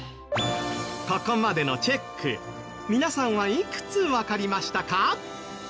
ここまでのチェック皆さんはいくつわかりましたか？